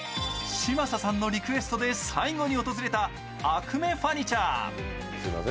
嶋佐さんのリクエストで最後に訪れたアクメファニチャー。